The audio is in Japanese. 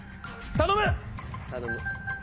頼む。